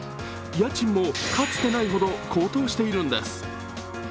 家賃もかつてないほど高騰しているんです。